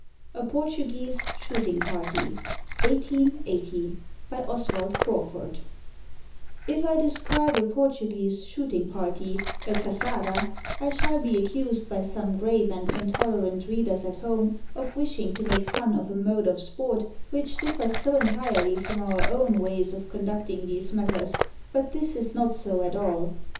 A PORTUGUESE SHOOTING PARTY BY OSWALD CRAWFURD If I describe a Portuguese shooting party, a caqada — I shall be accused by some grave and intolerant readers at home of wishing to make fun of a mode of sport which differs so entirely from our own ways of conducting these matters; but this is not so at all.